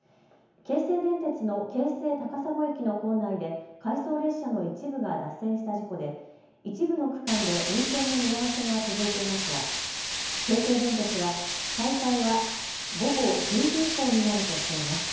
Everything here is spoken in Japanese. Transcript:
京成電鉄の京成高砂駅の構内で回送列車の一部が脱線した事故で一部の区間で運転の見合わせが続いていますが京成電鉄は再開は午後１０時以降になるとしています。